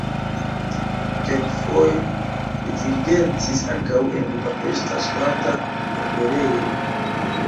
Kelkfoje li dirigentis ankaŭ en Budapeŝta Ŝtata Operejo.